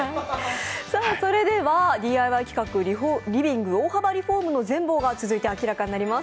ＤＩＹ企画リビング大幅リフォームの全貌が続いて、明らかになります。